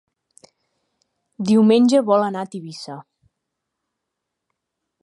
Diumenge vol anar a Tivissa.